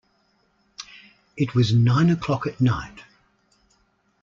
It was nine o'clock at night.